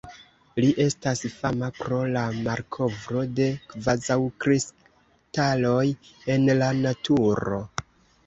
Li estas fama pro la malkovro de kvazaŭkristaloj en la naturo.